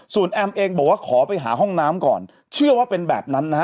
ส่วนแอมเองบอกว่าขอไปหาห้องน้ำก่อนเชื่อว่าเป็นแบบนั้นนะฮะ